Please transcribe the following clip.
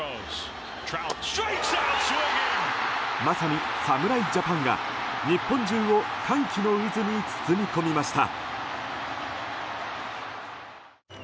まさに侍ジャパンが、日本中を歓喜の渦に包み込みました。